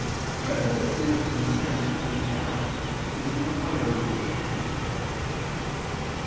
7] Whether the Sin of Consent to the Act Is in the Higher Reason?